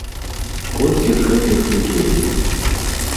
Колькі ж гэтых людзей?